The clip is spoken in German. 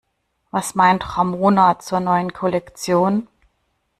Was meint Ramona zur neuen Kollektion?